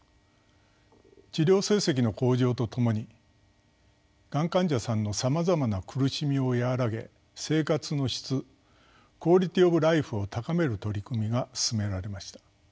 治療成績の向上とともにがん患者さんのさまざまな苦しみを和らげ生活の質「ＱｕａｌｉｔｙｏｆＬｉｆｅ」を高める取り組みが進められました。